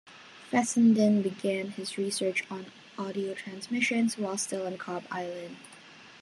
Fessenden began his research on audio transmissions while still on Cobb Island.